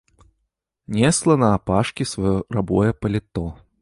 Несла наапашкі сваё рабое паліто.